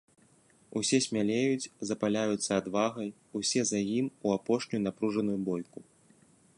Усе смялеюць, запаляюцца адвагай, усе за ім, у апошнюю напружаную бойку.